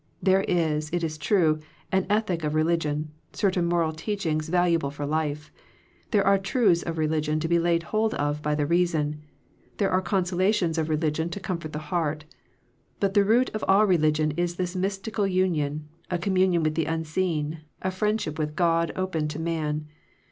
There is, it is true, an ethic of religion, certain moral teach ings valuable for life: there are truths of religion to be laid hold of by the reason: there are the consolations of religion to comfort the heart: but the root of all re ligion is this mystical union, a commun ion with the Unseen, a friendship with God open to man.